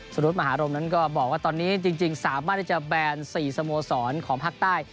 รุธมหารมนั้นก็บอกว่าตอนนี้จริงสามารถที่จะแบน๔สโมสรของภาคใต้